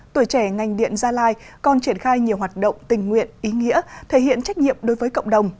tuổi trẻ ngành điện gia lai còn triển khai nhiều hoạt động tình nguyện ý nghĩa thể hiện trách nhiệm đối với cộng đồng